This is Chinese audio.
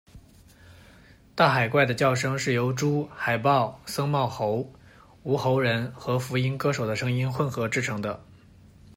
大海怪的叫声是由猪、海豹、僧帽猴、无喉人和福音歌手的声音混合制成的